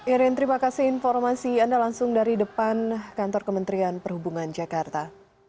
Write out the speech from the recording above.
irin terima kasih informasi anda langsung dari depan kantor kementerian perhubungan jakarta